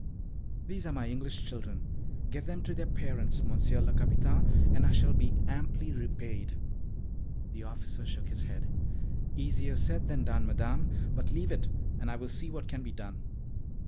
"These are my English children. Get them to their parents, Monsieur le Capitaine, and I shall be amply repaid." The officer shook his head. "Easier said than done, Madame; but leave it, and I will see what can be done.